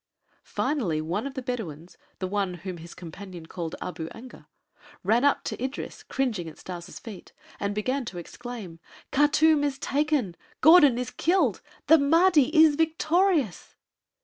Finally one of the Bedouins the one whom his companion called Abu Anga ran up to Idris cringing at Stas' feet, and began to exclaim: "Khartûm is taken! Gordon is killed! The Mahdi is victorious!"